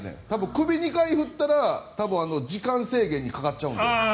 首を２回振ったら時間制限にかかっちゃうんで。